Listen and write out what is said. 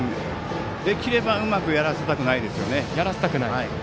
できれば、うまくやらせたくないですよね。